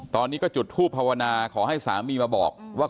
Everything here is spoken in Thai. ตอนนี้ก็จุดทูปภาวนาขอให้สามีมาบอกว่า